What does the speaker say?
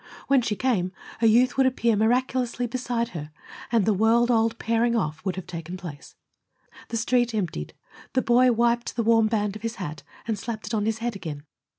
When she came, a youth would appear miraculously beside her, and the world old pairing off would have taken place. The Street emptied. The boy wiped the warm band of his hat and slapped it on his head again.